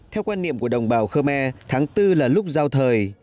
theo quan niệm của đồng bào khơ me tháng bốn là lúc giao thời